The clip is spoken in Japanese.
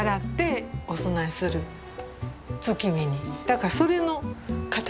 だからそれの形。